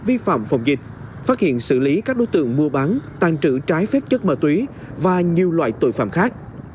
vi phạm phòng dịch phát hiện xử lý các đối tượng mua bán tàn trữ trái phép chất ma túy và nhiều loại tội phạm khác